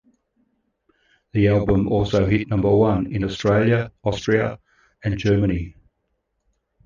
The album also hit number one in Australia, Austria, and Germany.